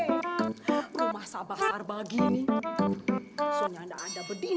kak rama malah ngomongin kamera jelat itu sih